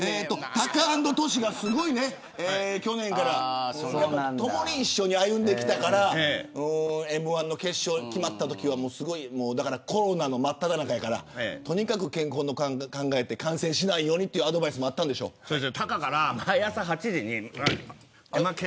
タカアンドトシがすごいね去年から、共に歩んできたからＭ‐１の決勝決まったときはコロナの真っただ中やからとにかく健康を考えて感染しないようにというアドバイスもタカから、毎朝８時に。